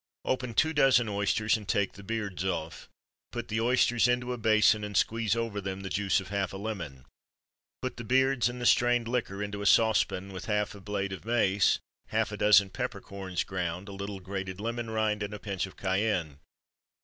Open two dozen oysters, and take the beards off. Put the oysters into a basin and squeeze over them the juice of half a lemon. Put the beards and the strained liquor into a saucepan with half a blade of mace, half a dozen peppercorns ground, a little grated lemon rind, and a pinch of cayenne.